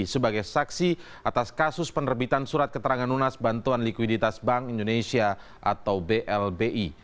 sebagai saksi atas kasus penerbitan surat keterangan lunas bantuan likuiditas bank indonesia atau blbi